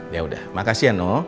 yaudah makasih ya no